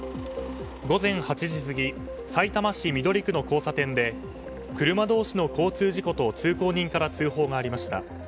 午前８時過ぎさいたま市緑区の交差点で車同士の交通事故と通行人から通報がありました。